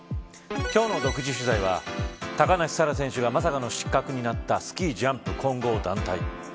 今日の独自取材は高梨沙羅選手がまさかの失格になったスキージャンプ混合団体。